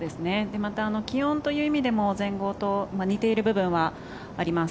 また気温という意味でも全豪と似ている部分はあります。